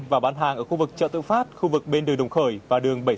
và bán hàng ở khu vực chợ tự phát khu vực bên đường đồng khởi và đường bảy trăm sáu mươi